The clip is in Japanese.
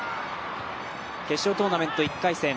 決勝トーナメント１回戦